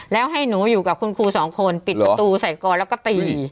แล้วให้หนูอยู่กับคุณครูสองคนปิดประตูใส่ก่อนแล้วก็ตี